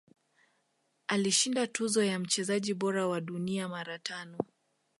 Alishinda tuzo ya mchezaji bora wa dunia mara tano